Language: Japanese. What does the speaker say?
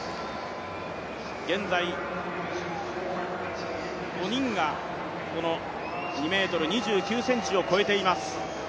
現在５人が、この２ｍ２９ｃｍを越えています。